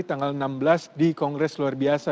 tanggal enam belas di kongres luar biasa